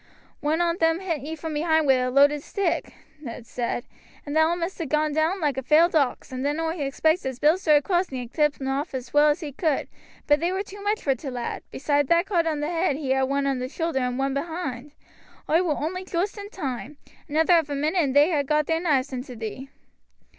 "One on them hit ye from behind wi' a loaded stick," Luke said, "and thou must ha' gone doon like a felled ox; then oi expects as Bill stood across thee and kept them off as well as he could, but they war too much for t' lad; beside that cut on the head he ha' one on shoulder and one behind. Oi war only joost in toime, another quarter of a minute and they'd ha' got their knives into thee."